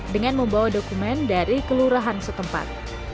dengan membawa dokumen dari kelurahan setempat